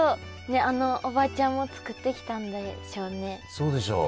そうでしょう。